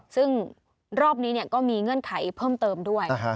ซึ่งรอบนี้ก็มีเงื่อนไขเพิ่มเติมด้วย